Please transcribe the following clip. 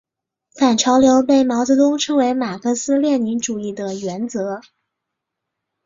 反潮流被毛泽东称为马克思列宁主义的原则。